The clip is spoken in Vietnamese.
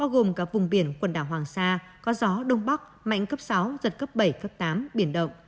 gồm cả vùng biển quần đảo hoàng sa có gió đông bắc mạnh cấp sáu giật cấp bảy cấp tám biển động